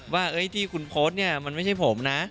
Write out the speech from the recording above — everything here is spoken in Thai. ว่าที่คุณโพสต์เนี่ยมันไม่ใช่ผมนะ